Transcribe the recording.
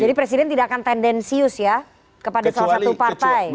jadi presiden tidak akan tendensius ya kepada salah satu partai